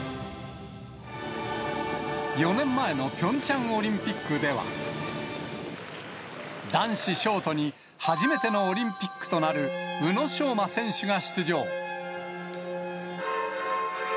４年前のピョンチャンオリンピックでは、男子ショートに初めてのオリンピックとなる宇野昌磨選手が出場。